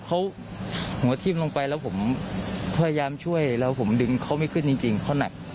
เขาหัวทิ้มลงไปแล้วผมพยายามช่วยแล้วผมดึงเขาไม่ขึ้นจริงเขาหนัก